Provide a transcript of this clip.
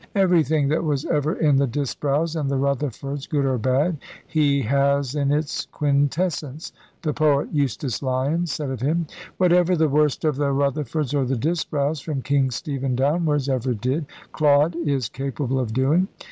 "Everything that was ever in the Disbrowes and the Rutherfords, good or bad, he has in its quintessence," the poet Eustace Lyon said of him. "Whatever the worst of the Rutherfords or the Disbrowes, from King Stephen downwards, ever did, Claude is capable of doing.